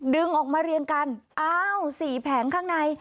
ดึงออกมาเรียงกันอ้าว๔แผงข้างใน